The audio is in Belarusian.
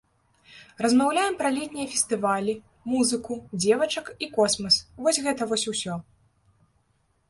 Размаўляем пра летнія фестывалі, музыку, дзевачак і космас, вось гэта вось усё.